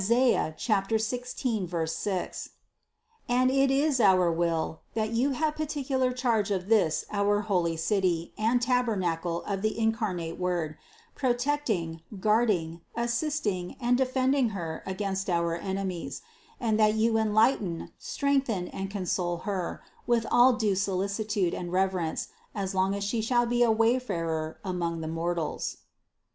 16, 6) ; and it is our will that you have par ticular charge of this our holy City and tabernacle of the incarnate Word, protecting, guarding, assisting and defending Her against our enemies, and that you en lighten, strengthen and console Her with all due solici tude and reverence, as long as She shall be a wayfarer among the mortals."